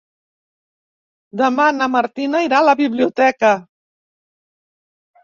Demà na Martina irà a la biblioteca.